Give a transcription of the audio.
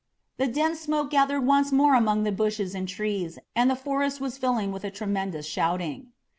The dense smoke gathered once more among the bushes and trees and the forest was filling with a tremendous shouting.